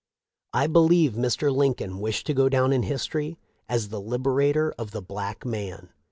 I believe Mr. Lincoln wished to go down in history as the liberator of the black man.